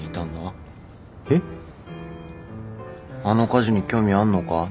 あの火事に興味あんのか？